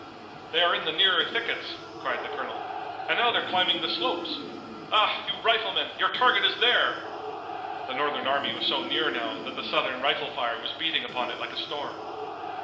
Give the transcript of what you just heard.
"They are in the nearer thickets," cried the colonel, "and now they're climbing the slopes! Ah, you riflemen, your target is there!" The Northern army was so near now that the Southern rifle fire was beating upon it like a storm.